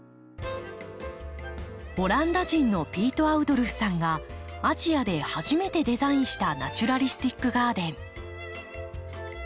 オランダ人のピート・アウドルフさんがアジアで初めてデザインしたナチュラリスティック・ガーデン。